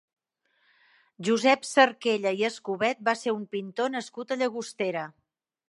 Josep Sarquella i Escobet va ser un pintor nascut a Llagostera.